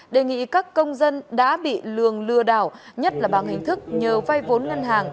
đề nghị các công dân đã bị lường lừa đảo nhất là bằng hình thức nhờ vai vốn ngân hàng